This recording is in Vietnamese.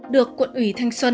được quận ủy thanh xuân